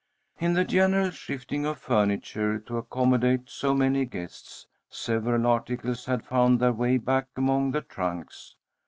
In the general shifting of furniture to accommodate so many guests, several articles had found their way back among the trunks.